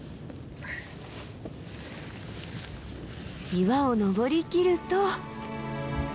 岩を登りきると。